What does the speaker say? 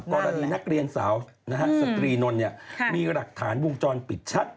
กรณีนักเรียนสาวสตรีนนท์มีหลักฐานวงจรปิดชัด